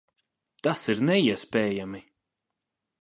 Tas ir neiespējami!